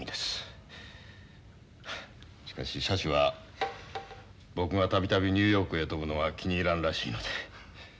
しかし社主は僕が度々ニューヨークへ飛ぶのが気に入らんらしいので。